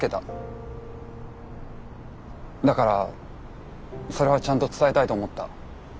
だからそれはちゃんと伝えたいと思った。